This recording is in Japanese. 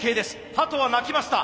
鳩は鳴きました。